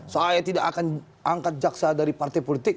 saya tidak akan angkat jaksa dari partai politik